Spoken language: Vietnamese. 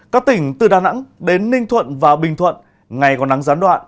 các tỉnh từ đà nẵng đến ninh thuận và bình thuận ngày còn nắng gián đoạn